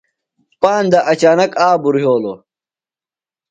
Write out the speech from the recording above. پاندہ اچانک آبرُوۡ یھولوۡ۔